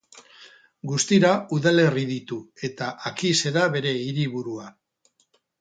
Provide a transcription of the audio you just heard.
Guztira udalerri ditu eta Akize da bere hiriburua.